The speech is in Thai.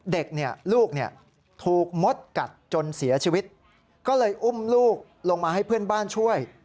เด็กเนี่ยลูกถูกมดกัดจนเสียชีวิตก็เลยอุ้มลูกลงมาให้เพื่อนบ้านช่วย